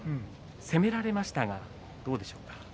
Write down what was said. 攻められましたがどうでしょうか。